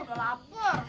aku udah lapar